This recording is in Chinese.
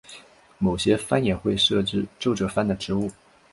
某些藩也会设置奏者番的职务。